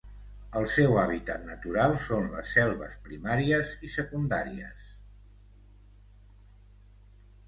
El seu hàbitat natural són les selves primàries i secundàries.